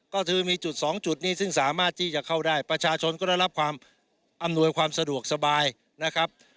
ก็คือมีจุดสองจุดนี้ซึ่งสามารถที่จะเข้าได้ประชาชนก็ได้รับความอำนวยความสะดวกสบายนะครับ